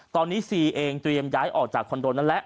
ตอนนี้ซีเองเตรียมย้ายออกจากคอนโดนั่นแหละ